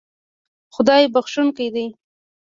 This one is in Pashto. خدای بښونکی دی